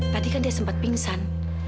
tadi kan dia sempat pingsan